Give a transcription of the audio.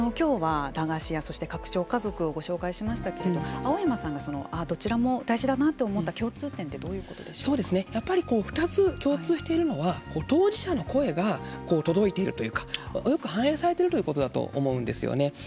今日は駄菓子や拡張家族をご紹介しましたけれども青山さんがどちらも大事だなと思ったやっぱり２つ共通しているのは当事者の声が届いているというかよく反映されているということだと思うんですよね。